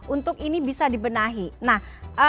untuk ini bisa dibenahi nah